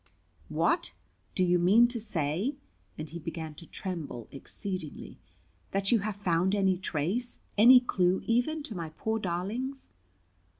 "What! do you mean to say" and he began to tremble exceedingly "that you have found any trace, any clue even, to my poor darlings?"